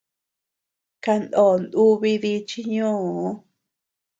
Kanó ndúbi dí chi ñoo.